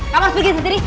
kamu harus pergi sendiri